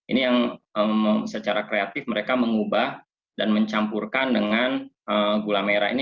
ini yang secara kreatif mereka mengubah dan mencampurkan dengan gula merah ini